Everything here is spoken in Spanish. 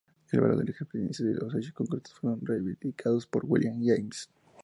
El valor de la experiencia y los hechos concretos fueron reivindicados por William James.